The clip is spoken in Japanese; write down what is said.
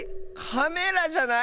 カメラじゃない？